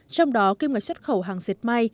trong đó kim ngạch xuất khẩu hàng diệt may